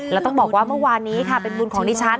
แล้วต้องบอกว่าเมื่อวานนี้ค่ะเป็นบุญของดิฉัน